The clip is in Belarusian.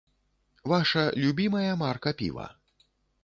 Ваша любімае марка піва?